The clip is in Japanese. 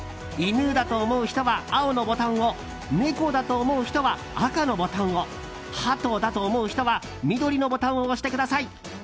犬だと思う人は青のボタンを猫だと思う人は赤のボタンをハトだと思う人は緑のボタンを押してください。